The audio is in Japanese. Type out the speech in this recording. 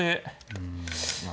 うんまあ